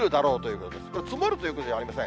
これ、積もるということではありません。